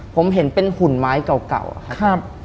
ผมเห็นเป็นหุ่นไม้เก่าอะครับ